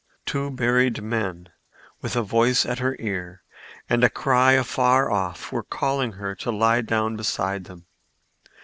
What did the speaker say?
Two buried men with a voice at her ear and a cry afar off were calling her to lie down beside them.